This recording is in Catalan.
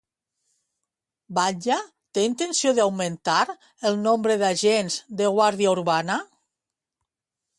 Batlle té intenció d'augmentar el nombre d'agents de Guàrdia Urbana?